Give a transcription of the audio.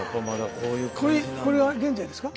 これこれは現在ですか？